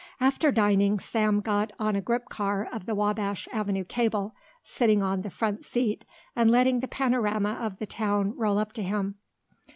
After dining Sam got on a grip car of the Wabash Avenue Cable, sitting on the front seat and letting the panorama of the town roll up to him.